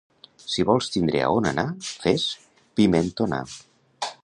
Si vols tindre a on anar, fes pimentonar.